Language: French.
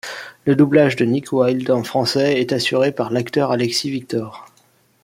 Le doublage de Nick Wilde en français est assuré par l'acteur Alexis Victor.